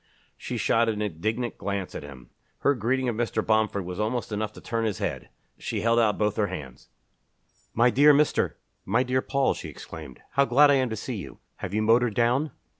She shot an indignant glance at him. Her greeting of Mr. Bomford was almost enough to turn his head. She held out both her hands. "My dear Mr. my dear Paul!" she exclaimed. "How glad I am to see you! Have you motored down?"